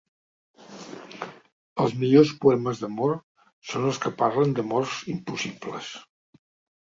Els millors poemes d'amor són els que parlen d'amors impossibles.